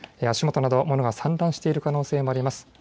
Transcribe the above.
足元など物が散乱している可能性もあります。